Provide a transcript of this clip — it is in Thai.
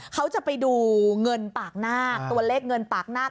เขาจะไปดูเงินปากนาคตัวเลขเงินปากนาค